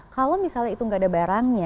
kalau misalnya itu nggak ada barangnya